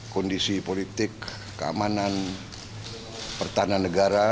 kondisi politik keamanan pertahanan negara